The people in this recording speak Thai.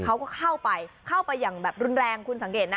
เขาก็เข้าไปเข้าไปอย่างแบบรุนแรงคุณสังเกตนะ